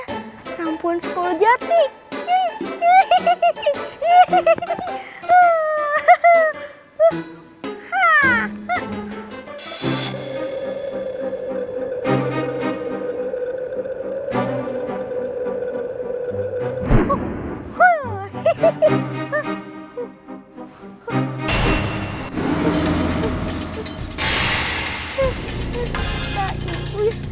rampuan sekolah jati